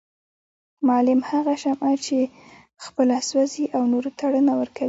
معلم هغه شمعه چي خپله سوزي او نورو ته رڼا ورکوي